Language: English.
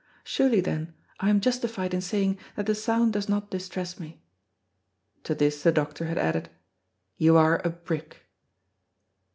Surely, then, I am justified in saying that the sound does not distress me." To this the doctor had added, "You are a brick."